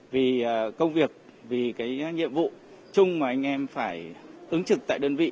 vì công việc vì cái nhiệm vụ chung mà anh em phải ứng trực tại đơn vị